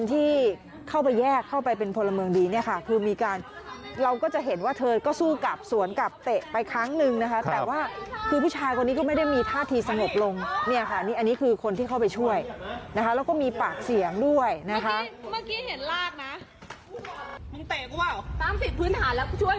ตามสิทธิ์พื้นฐานแล้วช่วยเหลือคนที่โดนหลายไม่ตามสิทธิ์พื้นฐานไม่มีสิทธิ์ครับ